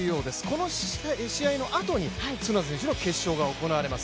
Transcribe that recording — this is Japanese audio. この試合のあとに角田選手の決勝が行われます。